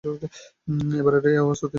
এবারের এ আওয়াজ অতি নিকট থেকে আসে।